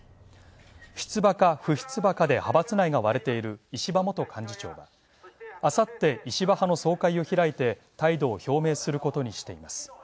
出馬か不出馬かで派閥内が割れている石破元幹事長は、あさって、石破派の総会を開いて態度を表明することにしています。